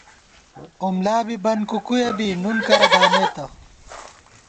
اُملا بی، بن کوُکوُیَہ بی نُن کرہ دامِمېت